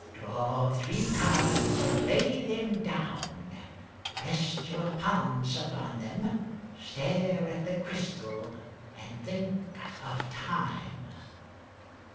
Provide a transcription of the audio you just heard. . Draw three cards, and lay them down, Rest your palms upon them, stare at the crystal, And think of time